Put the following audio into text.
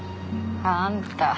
あんた。